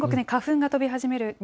花粉が飛び始める。